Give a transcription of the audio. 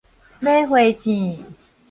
馬花糋